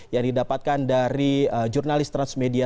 yang didapatkan dari jurnalis transmedia